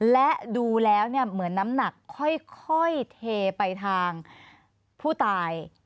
และดูแล้วเหมือนน้ำหนักค่อยเทไปทางผู้ตาย